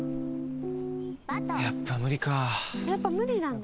やっぱ無理なの？